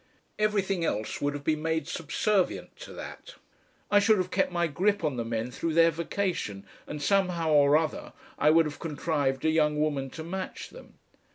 Everything else would have been made subservient to that. I should have kept my grip on the men through their vacation, and somehow or other I would have contrived a young woman to match them.